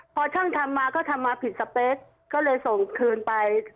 พอช่างทำมาก็ทำมาผิดสเปคก็เลยส่งคืนไป